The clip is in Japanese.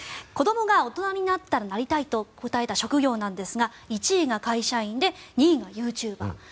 子どもが大人になったらなりたいと答えた職業ですが１位が会社員で２位がユーチューバー。